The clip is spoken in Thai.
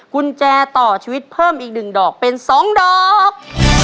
กุญแจต่อชีวิตเพิ่มอีก๑ดอกเป็น๒ดอก